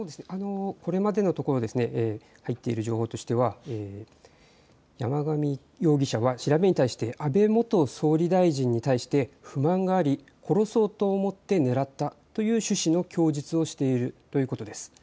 これまでのところ、入っている情報としては山上容疑者は調べに対して安倍元総理大臣に対して不満があり、殺そうと思って狙ったという趣旨の供述をしているということです。